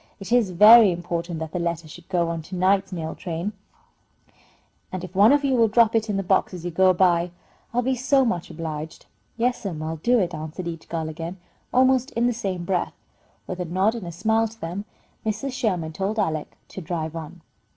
It is very important that the letter should go on to night's mail train, and if one of you will drop it in the box as you go by, I'll be so much obliged." "Yes'm, I'll do it," answered each girl again, almost in the same breath. With a nod and a smile to them, Mrs. Sherman told Alec to drive on.